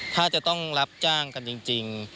ถ้าจะต้องรับจ้างกันจริง